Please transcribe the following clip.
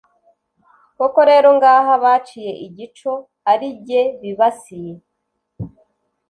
Koko rero ngaha baciye igico ari jye bibasiye